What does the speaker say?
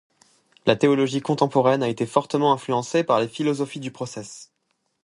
La théologie contemporaine a été fortement influencée par les philosophies du Process.